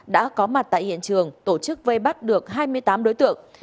đã có mặt tại hiện trường tổ chức vây bắt được hai mươi tám đối tượng